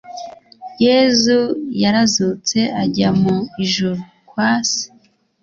yezu yarazutse ajya mu ijuru kwa se